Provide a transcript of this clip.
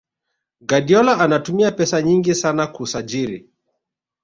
Guardiola anatumia pesa nyingi sana kusajiri